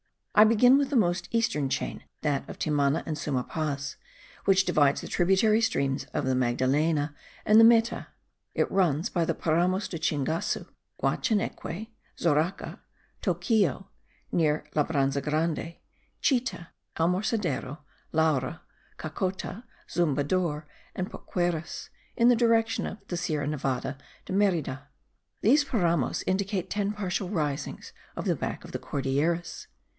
I begin with the most eastern chain, that of Timana and Suma Paz, which divides the tributary streams of the Magdalena and the Meta: it runs by the Paramos de Chingasu, Guachaneque, Zoraca, Toquillo (near Labranza Grande), Chita, Almorsadero, Laura, Cacota, Zumbador and Porqueras, in the direction of the Sierra Nevada de Merida. These Paramos indicate ten partial risings of the back of the Cordilleras.